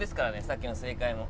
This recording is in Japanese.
さっきの正解も。